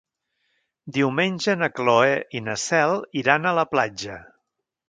Diumenge na Cloè i na Cel iran a la platja.